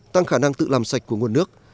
tăng khả năng tự làm sạch của nguồn nước